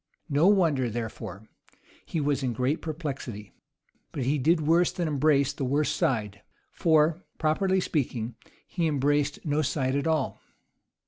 No wonder, therefore, he was in great perplexity. But he did worse than embrace the worst side; for, properly speaking, he embraced no side at all.